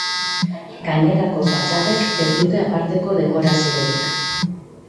Gainerako fatxadek ez dute aparteko dekoraziorik.